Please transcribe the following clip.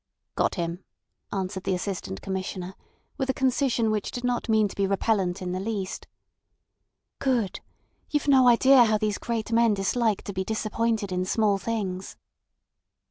"Got him," answered the Assistant Commissioner with a concision which did not mean to be repellent in the least. "Good. You've no idea how these great men dislike to be disappointed in small things."